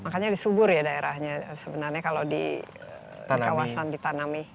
makanya disubur ya daerahnya sebenarnya kalau di kawasan ditanami